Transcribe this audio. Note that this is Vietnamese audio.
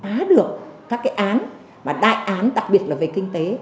phá được các cái án mà đại án đặc biệt là về kinh tế